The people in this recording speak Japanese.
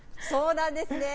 そうなんですよ。